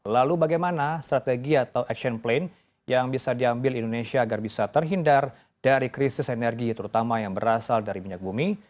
lalu bagaimana strategi atau action plan yang bisa diambil indonesia agar bisa terhindar dari krisis energi terutama yang berasal dari minyak bumi